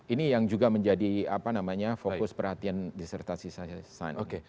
ini yang juga menjadi fokus perhatian disertasi sains